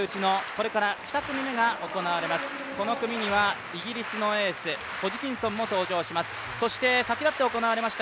この組にはイギリスのエースホジキンソンも登場します。